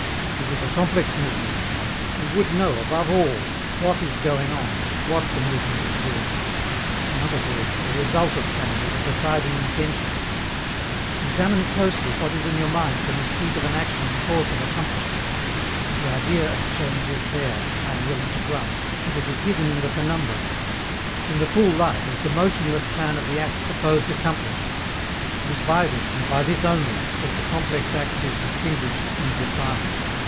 Is it a complex movement? We would know above all what is going on, what the movement is doing in other words, the result obtained or the presiding intention. Examine closely what is in your mind when you speak of an action in course of accomplishment. The idea of change is there, I am willing to grant, but it is hidden in the penumbra. In the full light is the motionless plan of the act supposed accomplished. It is by this, and by this only, that the complex act is distinguished and defined.